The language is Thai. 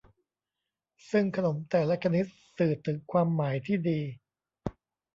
ซึ่งขนมแต่ละชนิดสื่อถึงความหมายที่ดี